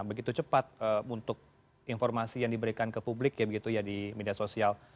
begitu cepat untuk informasi yang diberikan ke publik ya begitu ya di media sosial